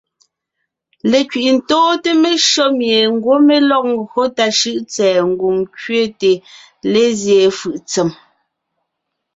Lekẅi’i tóonte meshÿó mie ńgwɔ́ mé lɔg ńgÿo tà shʉ́ʼ tsɛ̀ɛ ngwòŋ kẅete lézyéen fʉʼ ntsèm.